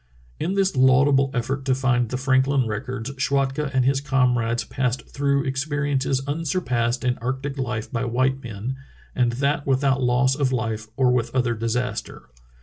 " In this laudable effort to find the Franklin records Schwatka and his comrades passed through experiences unsurpassed in arctic life by white men, and that with out loss of life or with other disaster.